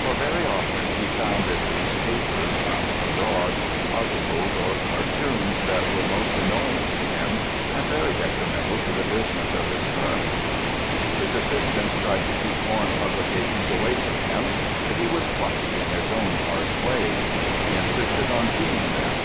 For very often he found in these papers from abroad articles or cartoons that were most annoying to him, and very detrimental to the business of his firm. His assistants tried to keep foreign publications away from him, but he was plucky in his own harsh way. He insisted on seeing them.